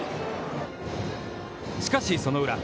しかし、その裏。